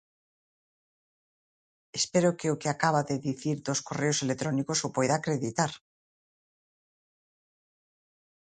Espero que o que acaba de dicir dos correos electrónicos o poida acreditar.